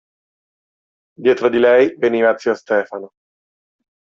Dietro di lei veniva zio Stefano.